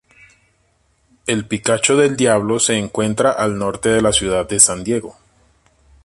El Picacho del Diablo se encuentra al norte de la ciudad de San Diego.